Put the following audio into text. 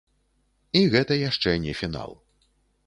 І гэта яшчэ не фінал.